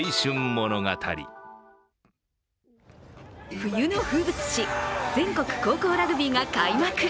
冬の風物詩、全国高校ラグビーが開幕。